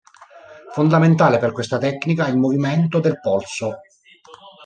Fondamentale per questa tecnica è il movimento del polso.